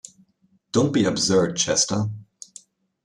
Don't be absurd, Chester.